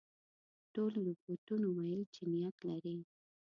ټولو رپوټونو ویل چې نیت لري.